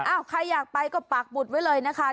ใครอยากไปก็ปากบุตรไว้เลยนะคะ